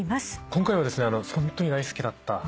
今回はホントに大好きだった